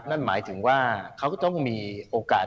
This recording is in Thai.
นั่นหมายถึงว่าเขาก็ต้องมีโอกาส